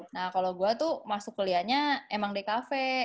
nah kalau gue tuh masuk kuliahnya emang dkv